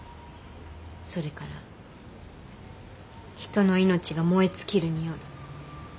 それから人の命が燃え尽きるにおい。